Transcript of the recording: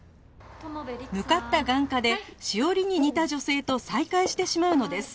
向かった眼科で史織に似た女性と再会してしまうのです